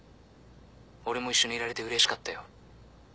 俺も一緒にいられてうれしかったよ。